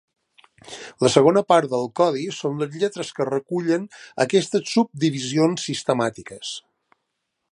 La segona part del codi són les lletres que recullen aquestes subdivisions sistemàtiques.